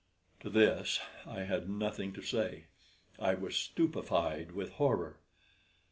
To this I had nothing to say; I was stupefied with horror.